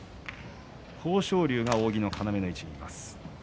豊昇龍が扇の要の位置にいます。